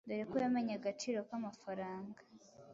dore ko yamenye agaciro k’amafaranga